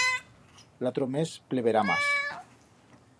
L'atro mes pleverá mas.